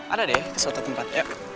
ada deh keseluruh tempat